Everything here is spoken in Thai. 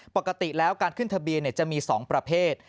ปกติแล้วการขึ้นทะเบียนจะมี๒ประเภท